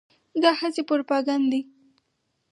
دا هسې پروپاګند دی.